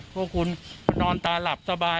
พวกคุณนอนตาหลับสบาย